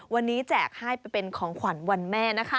วันนี้แจกให้เป็นของขวัญวันแม่นะคะ